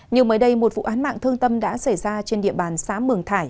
nhưng mới đây một vụ án mạng thương tâm đã xảy ra trên địa bàn xã mường thải